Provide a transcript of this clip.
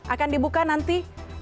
akan dibuka nanti dua ribu dua puluh tiga